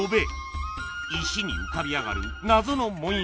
石に浮かび上がる謎の紋様